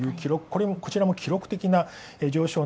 こちらも記録的な上昇。